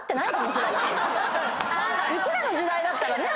うちらの時代だったらね。